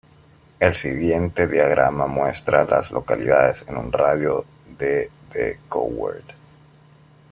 El siguiente diagrama muestra a las localidades en un radio de de Coward.